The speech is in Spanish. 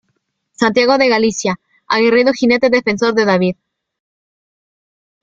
Santiago de Galicia: Aguerrido jinete defensor de David.